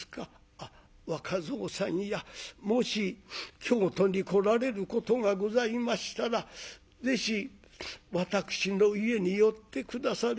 あっ若蔵さんやもし京都に来られることがございましたらぜひ私の家に寄って下され。